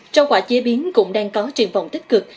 rau quả chế biến cũng đang có truyền vọng tích cực